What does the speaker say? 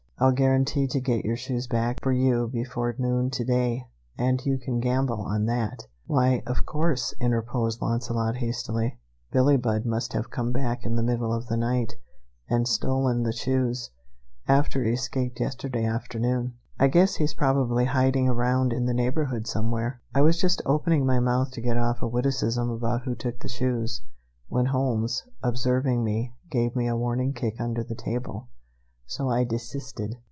I'll guarantee to get your shoes back for you before noon to day, and you can gamble on that!" "Why, of course," interposed Launcelot hastily. "Billie Budd must have come back in the middle of the night, and stolen the shoes, after he escaped yesterday afternoon. I guess he's probably hiding around in the neighborhood somewhere." I was just opening my mouth to get off a witticism about who took the shoes, when Holmes, observing me, gave me a warning kick under the table, so I desisted.